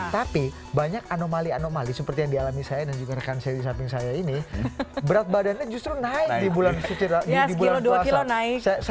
tapi banyak anomali anomali seperti yang dialami saya dan juga rekan saya di samping saya ini berat badannya justru naik di bulan puasa